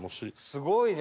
すごいね！